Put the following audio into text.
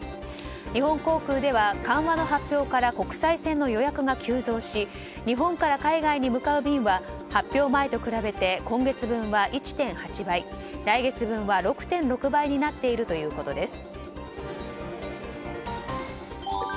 日本航空では緩和の発表から国際線の予約が急増し日本から海外に向かう便は発表前と比べて今月分は１．８倍来月分は６．６倍になっているということです。